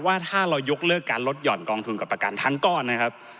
ว่าถ้าเรายกเลิกการลดหย่อนกองทุนกับประกันทั้งก้อนนะครับ